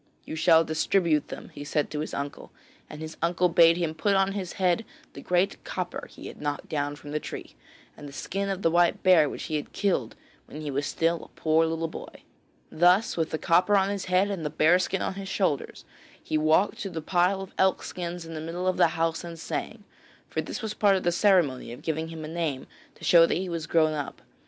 'You shall distribute them,' he said to his uncle, and his uncle bade him put on his head the great copper he had knocked down from the tree, and the skin of the white bear which he had killed when he was still a poor little boy. Thus with the copper on his head and the bear skin on his shoulders he walked to the pile of elk skins in the middle of the house and sang, for this was part of the ceremony of giving him a name to show that he was grown up.